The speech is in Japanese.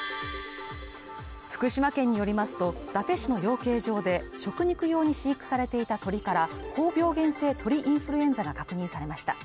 福島県によりますと伊達市の養鶏場で食肉用に飼育されていた鶏から高病原性鳥インフルエンザが確認されました